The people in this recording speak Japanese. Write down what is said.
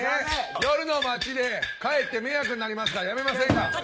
夜の街でかえって迷惑になりますからやめませんか。